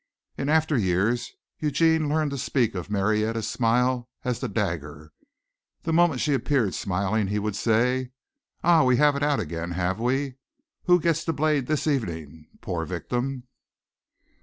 In after years Eugene learned to speak of Marietta's smile as "the dagger." The moment she appeared smiling he would say, "Ah, we have it out again, have we? Who gets the blade this evening? Poor victim!"